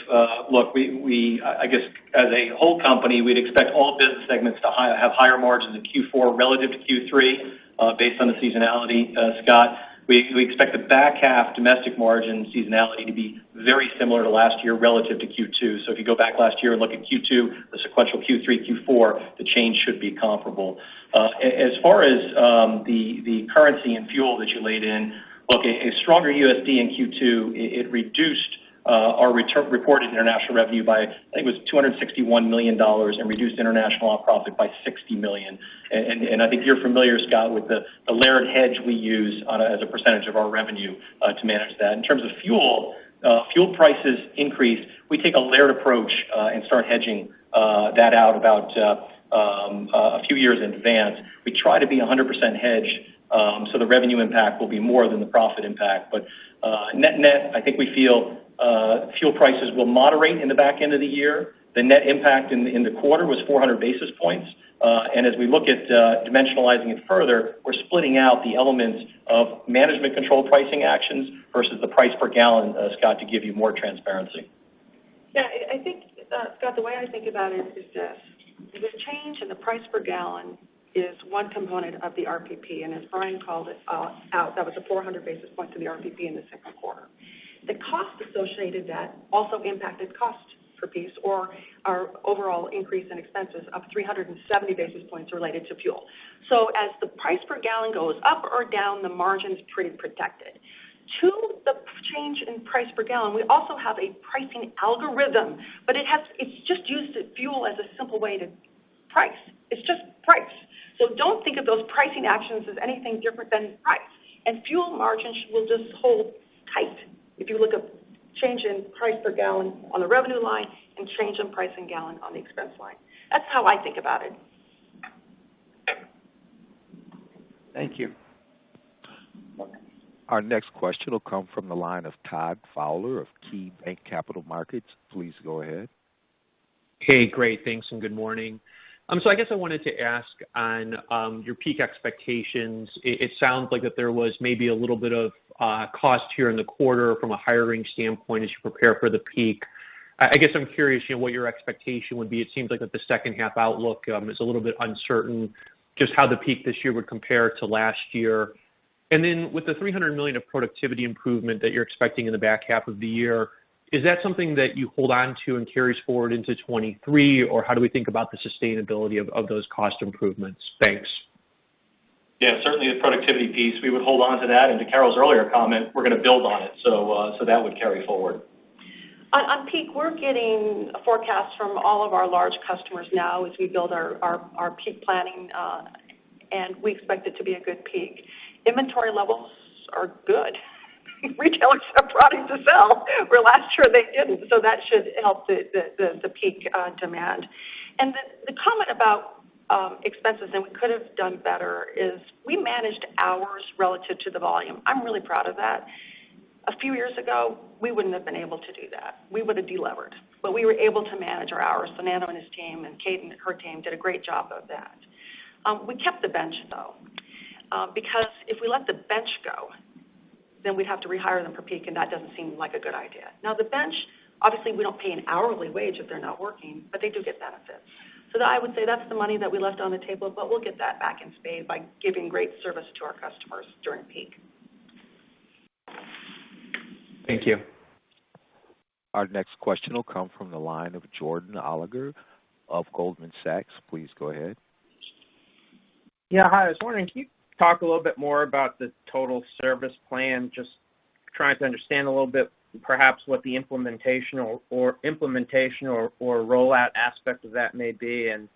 look, I guess as a whole company, we'd expect all business segments to have higher margins in Q4 relative to Q3, based on the seasonality, Scott. We expect the back half domestic margin seasonality to be very similar to last year relative to Q2. If you go back last year and look at Q2, the sequential Q3, Q4, the change should be comparable. As far as the currency and fuel that you laid in, look, a stronger USD in Q2, it reduced our reported international revenue by, I think it was $261 million and reduced international op profit by $60 million. I think you're familiar, Scott, with the layered hedge we use as a percentage of our revenue to manage that. In terms of fuel prices increase. We take a layered approach and start hedging that out about a few years in advance. We try to be 100% hedged so the revenue impact will be more than the profit impact. net-net, I think we feel fuel prices will moderate in the back end of the year. The net impact in the quarter was 400 basis points. as we look at dimensionalizing it further, we're splitting out the elements of management control pricing actions versus the price per gallon, Scott, to give you more transparency. Yeah, I think, Scott, the way I think about it is this: the change in the price per gallon is one component of the RPP, and as Brian called it out, that was a 400 basis point to the RPP in the second quarter. The cost associated with that also impacted cost per piece or our overall increase in expenses of 370 basis points related to fuel. So as the price per gallon goes up or down, the margin's pretty protected. To the change in price per gallon, we also have a pricing algorithm, but it's just used for fuel as a simple way to price. It's just price. So don't think of those pricing actions as anything different than price. Fuel margins will just hold tight. If you look up change in price per gallon on the revenue line and change in price per gallon on the expense line. That's how I think about it. Thank you. Welcome. Our next question will come from the line of Todd Fowler of KeyBanc Capital Markets. Please go ahead. Hey, great. Thanks, and good morning. So I guess I wanted to ask on your peak expectations. It sounds like that there was maybe a little bit of cost here in the quarter from a hiring standpoint as you prepare for the peak. I guess I'm curious, you know, what your expectation would be. It seems like that the second half outlook is a little bit uncertain, just how the peak this year would compare to last year. With the $300 million of productivity improvement that you're expecting in the back half of the year, is that something that you hold on to and carries forward into 2023, or how do we think about the sustainability of those cost improvements? Thanks. Yeah, certainly the productivity piece, we would hold on to that. To Carol's earlier comment, we're gonna build on it. So that would carry forward. On peak, we're getting a forecast from all of our large customers now as we build our peak planning, and we expect it to be a good peak. Inventory levels are good. Retailers have product to sell, where last year they didn't. That should help the peak demand. The comment about expenses and we could have done better is we managed hours relative to the volume. I'm really proud of that. A few years ago, we wouldn't have been able to do that. We would have delevered, but we were able to manage our hours. Nando and his team and Kate and her team did a great job of that. We kept the bench, though. Because if we let the bench go, then we'd have to rehire them for peak, and that doesn't seem like a good idea. Now, the bench, obviously, we don't pay an hourly wage if they're not working, but they do get benefits. That I would say that's the money that we left on the table, but we'll get that back in spades by giving great service to our customers during peak. Thank you. Our next question will come from the line of Jordan Alliger of Goldman Sachs. Please go ahead. Yeah. Hi, this morning, can you talk a little bit more about the Total Service Plan? Just trying to understand a little bit perhaps what the implementation or rollout aspect of that may be and,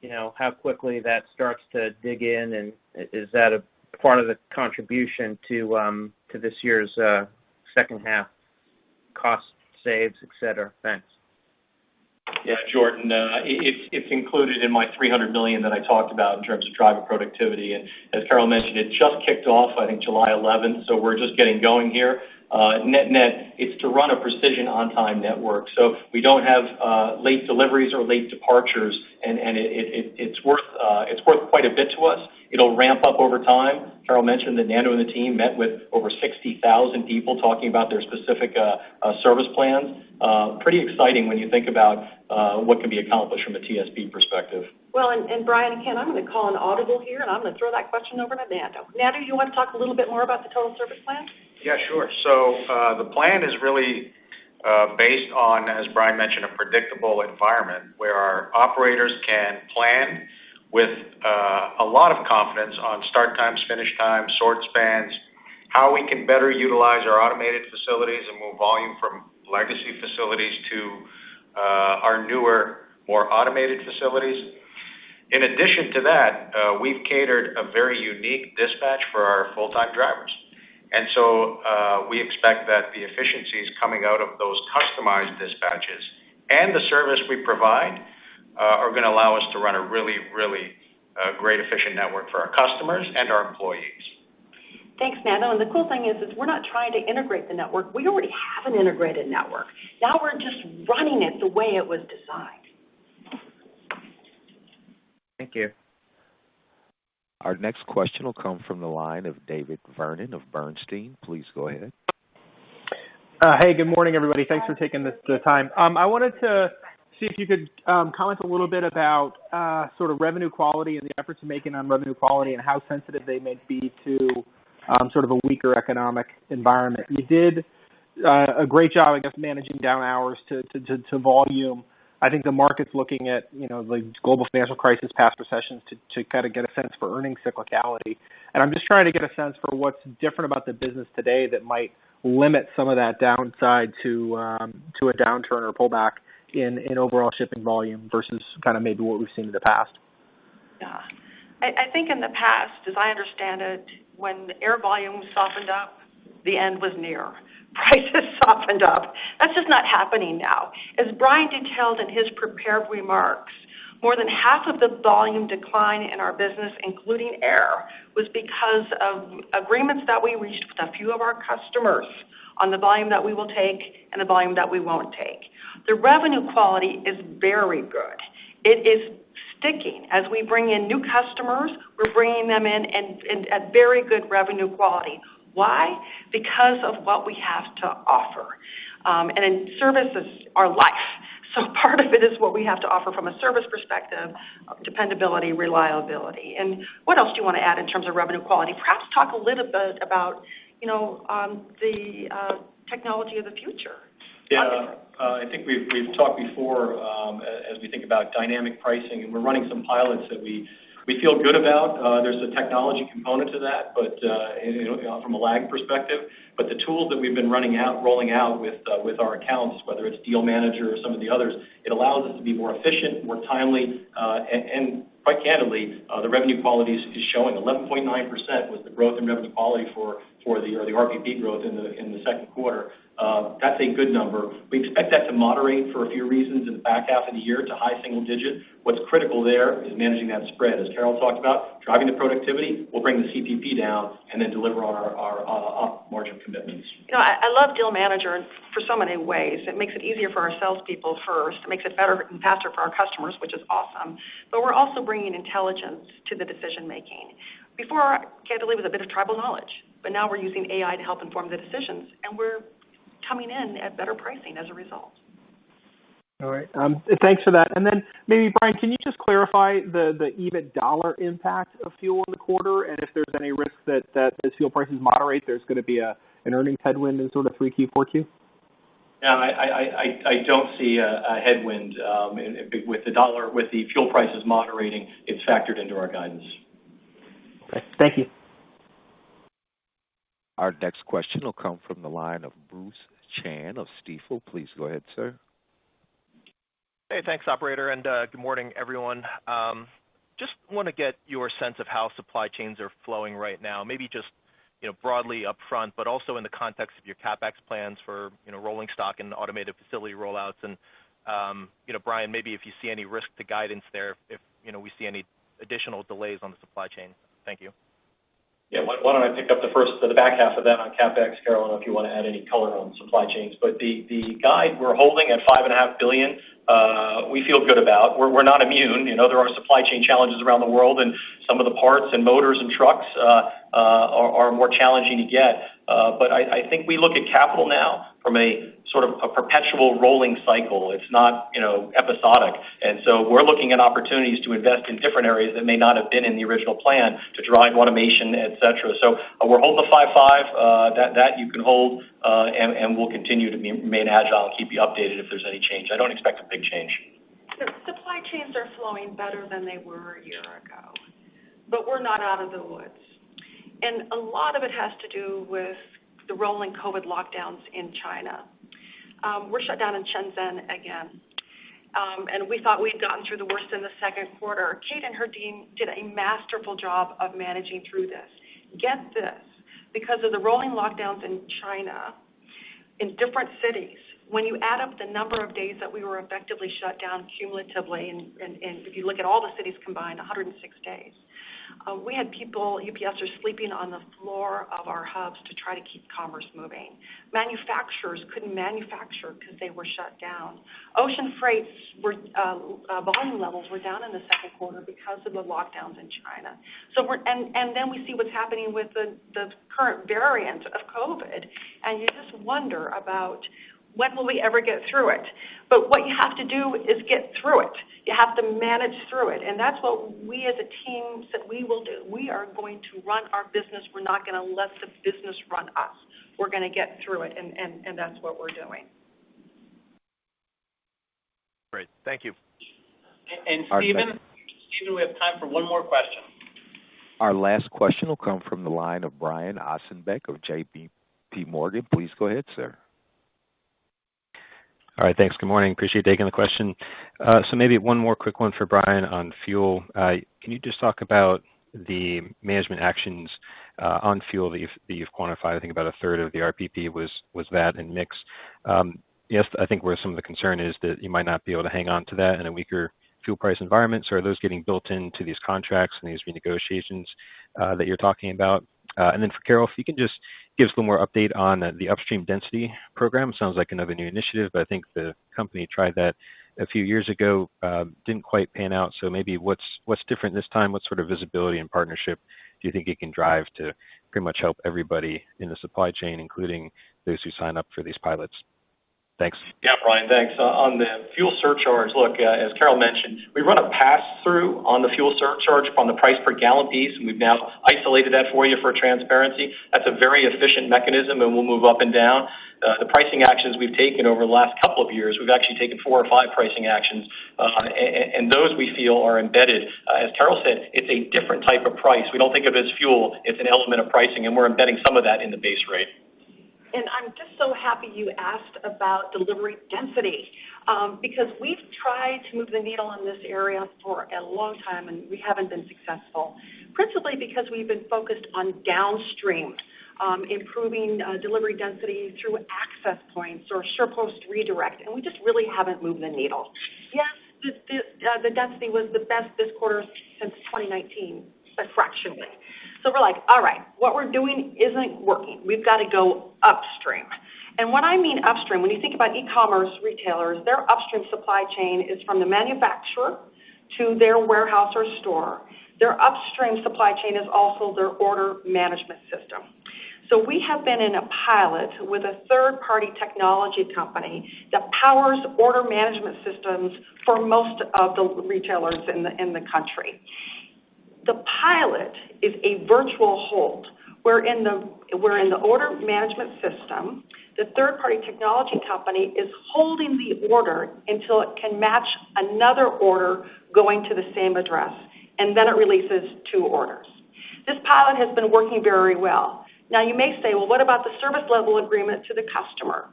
you know, how quickly that starts to dig in, and is that a part of the contribution to this year's second half cost saves, etc.? Thanks. Yeah, Jordan. It's included in my $300 million that I talked about in terms of driver productivity. As Carol mentioned, it just kicked off, I think July 11. We're just getting going here. Net-net, it's to run a precision on-time network. We don't have late deliveries or late departures, and it's worth quite a bit to us. It'll ramp up over time. Carol mentioned that Nando and the team met with over 60,000 people talking about their specific service plans. Pretty exciting when you think about what can be accomplished from a TSP perspective. Well, Brian, again, I'm gonna call an audible here, and I'm gonna throw that question over to Nando. Nando, you wanna talk a little bit more about the Total Service Plan? Yeah, sure. The plan is really based on, as Brian mentioned, a predictable environment where our operators can plan with a lot of confidence on start times, finish times, sort spans, how we can better utilize our automated facilities and move volume from legacy facilities to our newer, more automated facilities. In addition to that, we've created a very unique dispatch for our full-time drivers. We expect that the efficiencies coming out of those customized dispatches and the service we provide are gonna allow us to run a really great efficient network for our customers and our employees. Thanks, Nando. The cool thing is, we're not trying to integrate the network. We already have an integrated network. Now we're just running it the way it was designed. Thank you. Our next question will come from the line of David Vernon of Bernstein. Please go ahead. Hey, good morning, everybody. Thanks for taking the time. I wanted to see if you could comment a little bit about sort of revenue quality and the efforts you're making on revenue quality and how sensitive they may be to sort of a weaker economic environment. You did a great job, I guess, managing down hours to volume. I think the market's looking at, you know, the global financial crisis, past recessions to kind of get a sense for earnings cyclicality. I'm just trying to get a sense for what's different about the business today that might limit some of that downside to a downturn or pullback in overall shipping volume versus kind of maybe what we've seen in the past. Yeah. I think in the past, as I understand it, when the air volume softened up, the end was near. Prices softened up. That's just not happening now. As Brian detailed in his prepared remarks, more than half of the volume decline in our business, including air, was because of agreements that we reached with a few of our customers on the volume that we will take and the volume that we won't take. The revenue quality is very good. It is sticking. As we bring in new customers, we're bringing them in and at very good revenue quality. Why? Because of what we have to offer. In service is our life. So part of it is what we have to offer from a service perspective, dependability, reliability. What else do you want to add in terms of revenue quality? Perhaps talk a little bit about, you know, the technology of the future. I think we've talked before, as we think about dynamic pricing, and we're running some pilots that we feel good about. There's a technology component to that, but you know, from a lag perspective. The tools that we've been rolling out with our accounts, whether it's Deal Manager or some of the others, it allows us to be more efficient, more timely, and quite candidly, the revenue quality is showing. 11.9% was the growth in revenue quality for, or the RPP growth in the second quarter. That's a good number. We expect that to moderate for a few reasons in the back half of the year to high single digit. What's critical there is managing that spread. As Carol talked about, driving the productivity, we'll bring the CPP down and then deliver on our margin commitments. You know, I love Deal Manager for so many ways. It makes it easier for our salespeople first. It makes it better and faster for our customers, which is awesome. We're also bringing intelligence to the decision-making. Before, candidly, it was a bit of tribal knowledge. Now we're using AI to help inform the decisions, and we're coming in at better pricing as a result. All right. Thanks for that. Maybe, Brian, can you just clarify the EBIT dollar impact of fuel in the quarter, and if there's any risk that as fuel prices moderate, there's gonna be an earnings headwind in sort of 3Q, 4Q? No, I don't see a headwind. With the US dollar, with the fuel prices moderating, it's factored into our guidance. Okay. Thank you. Our next question will come from the line of Bruce Chan of Stifel. Please go ahead, sir. Hey, thanks, operator, and good morning, everyone. Just wanna get your sense of how supply chains are flowing right now. Maybe just, you know, broadly upfront, but also in the context of your CapEx plans for, you know, rolling stock and automated facility rollouts. You know, Brian, maybe if you see any risk to guidance there, if, you know, we see any additional delays on the supply chain. Thank you. Yeah. Why don't I pick up the back half of that on CapEx, Carol, and if you wanna add any color on supply chains. The guide we're holding at $5.5 billion, we feel good about. We're not immune. You know, there are supply chain challenges around the world, and some of the parts and motors and trucks are more challenging to get. But I think we look at capital now from a sort of a perpetual rolling cycle. It's not, you know, episodic. We're looking at opportunities to invest in different areas that may not have been in the original plan to drive automation, et cetera. We'll hold the $5.5 billion. That you can hold, and we'll continue to remain agile and keep you updated if there's any change. I don't expect a big change. The supply chains are flowing better than they were a year ago, but we're not out of the woods. A lot of it has to do with the rolling COVID lockdowns in China. We're shut down in Shenzhen again, and we thought we'd gotten through the worst in the second quarter. Kate and her team did a masterful job of managing through this. Get this. Because of the rolling lockdowns in China, in different cities, when you add up the number of days that we were effectively shut down cumulatively, and if you look at all the cities combined, 106 days, we had people, UPSers sleeping on the floor of our hubs to try to keep commerce moving. Manufacturers couldn't manufacture because they were shut down. Ocean freight volume levels were down in the second quarter because of the lockdowns in China. We see what's happening with the current variant of COVID, and you just wonder about when will we ever get through it? What you have to do is get through it. You have to manage through it. That's what we as a team said we will do. We are going to run our business. We're not gonna let the business run us. We're gonna get through it, and that's what we're doing. Great. Thank you. Our next- Steven, we have time for one more question. Our last question will come from the line of Brian Ossenbeck of JP Morgan. Please go ahead, sir. All right. Thanks. Good morning. Appreciate taking the question. Maybe one more quick one for Brian on fuel. Can you just talk about the management actions on fuel that you've quantified? I think about a third of the RPP was that and mix. Yes, I think where some of the concern is that you might not be able to hang on to that in a weaker fuel price environment. Are those getting built into these contracts and these renegotiations that you're talking about? For Carol, if you can just give us a little more update on the upstream density program. Sounds like another new initiative, but I think the company tried that a few years ago, didn't quite pan out. Maybe what's different this time? What sort of visibility and partnership do you think it can drive to pretty much help everybody in the supply chain, including those who sign up for these pilots? Thanks. Yeah. Brian, thanks. On the fuel surcharge, look, as Carol mentioned, we run a pass-through on the fuel surcharge on the price per gallon piece, and we've now isolated that for you for transparency. That's a very efficient mechanism, and we'll move up and down. The pricing actions we've taken over the last couple of years, we've actually taken 4 or 5 pricing actions, and those we feel are embedded. As Carol said, it's a different type of price. We don't think of it as fuel. It's an element of pricing, and we're embedding some of that in the base rate. I'm just so happy you asked about delivery density, because we've tried to move the needle in this area for a long time, and we haven't been successful, principally because we've been focused on downstream, improving delivery density through access points or SurePost redirect, and we just really haven't moved the needle. Yes, the density was the best this quarter since 2019, but fractionally. We're like, All right, what we're doing isn't working. We've got to go upstream. What I mean upstream, when you think about e-commerce retailers, their upstream supply chain is from the manufacturer to their warehouse or store. Their upstream supply chain is also their order management system. We have been in a pilot with a third-party technology company that powers order management systems for most of the retailers in the country. The pilot is a virtual hold, where in the order management system, the third party technology company is holding the order until it can match another order going to the same address, and then it releases two orders. This pilot has been working very well. Now you may say, "Well, what about the service level agreement to the customer?"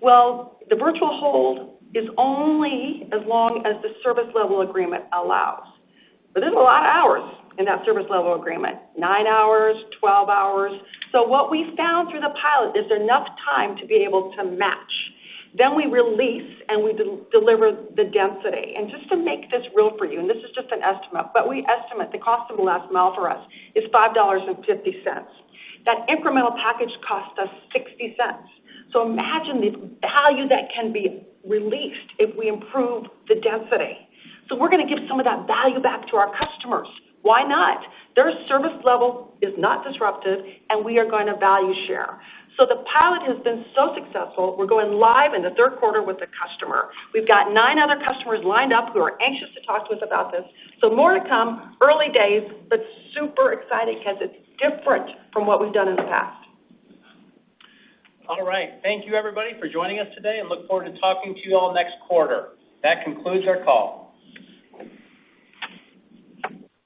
Well, the virtual hold is only as long as the service level agreement allows. There's a lot of hours in that service level agreement, 9 hours, 12 hours. What we found through the pilot is enough time to be able to match. We release, and we deliver the density. Just to make this real for you, and this is just an estimate, but we estimate the cost of the last mile for us is $5.50. That incremental package cost us $0.60. Imagine the value that can be released if we improve the density. We're gonna give some of that value back to our customers. Why not? Their service level is not disruptive, and we are gonna value share. The pilot has been so successful. We're going live in the third quarter with the customer. We've got 9 other customers lined up who are anxious to talk to us about this. More to come. Early days, but super exciting because it's different from what we've done in the past. All right. Thank you, everybody, for joining us today and look forward to talking to you all next quarter. That concludes our call.